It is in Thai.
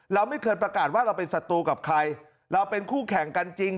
เราไม่เคยประกาศว่าเราเป็นศัตรูกับใครเราเป็นคู่แข่งกันจริง